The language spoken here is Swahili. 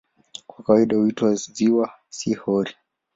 Kwa kawaida huitwa "ziwa", si "hori".